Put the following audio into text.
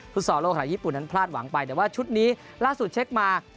ซอลโลกทางญี่ปุ่นนั้นพลาดหวังไปแต่ว่าชุดนี้ล่าสุดเช็คมา